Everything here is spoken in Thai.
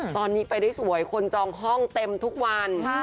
ตอนนี้ไปได้สวยคนจองห้องเต็มทุกวัน